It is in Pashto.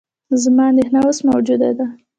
زما اندېښنه اوس موجوده ده.